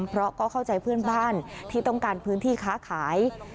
เพราะก็เข้าใจเพื่อนบ้านที่ต้องการพื้นที่ค้าขาย